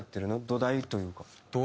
土台というか。